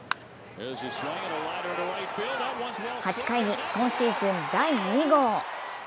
８回に今シーズン第２号。